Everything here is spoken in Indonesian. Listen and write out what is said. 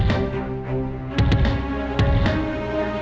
kenapa lo ga bakal abis saiduh lagi